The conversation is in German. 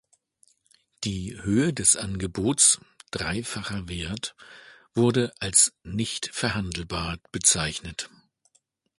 Die Höhe des Angebots (dreifacher Wert) wurde als "nicht verhandelbar" bezeichnet.